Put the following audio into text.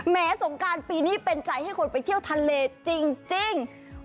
สงการปีนี้เป็นใจให้คนไปเที่ยวทะเลจริง